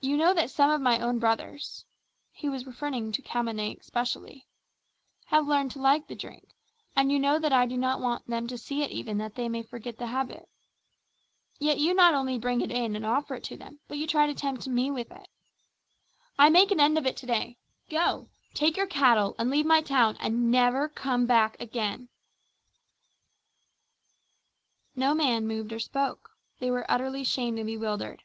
You know that some of my own brothers" he was referring to Khamane especially "have learned to like the drink, and you know that I do not want them to see it even, that they may forget the habit. Yet you not only bring it in and offer it to them, but you try to tempt me with it. "I make an end of it to day. Go! Take your cattle and leave my town and never come back again!" No man moved or spoke. They were utterly shamed and bewildered.